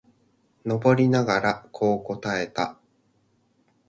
登りながら、こう考えた。